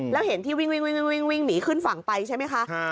แล้วเห็นที่วิ่งวิ่งวิ่งวิ่งวิ่งหนีขึ้นฝั่งไปใช่ไหมคะค่ะ